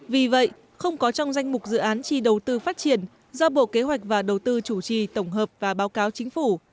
vì vậy không có trong danh mục dự án chi đầu tư phát triển do bộ kế hoạch và đầu tư chủ trì tổng hợp và báo cáo chính phủ